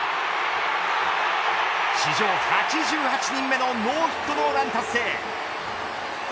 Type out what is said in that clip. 史上８８人目のノーヒットノーラン達成。